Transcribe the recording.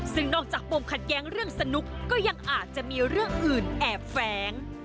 ซึ่งนอกจากปมขัดแย้งเรื่องสนุกก็ยังอาจจะมีเรื่องอื่นแอบแฝง